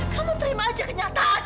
kamu terima aja kenyataan